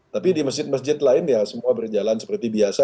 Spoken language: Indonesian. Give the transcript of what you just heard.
tapi di masjid masjid lain ya semua berjalan seperti biasa